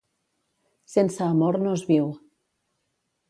Sense amor no es viu.